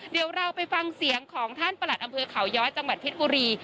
เดี๋ยวเราไปฟังเสียงของท่านประหลัดอำเภอเขาย้อยจังหวัดเพชรบุรี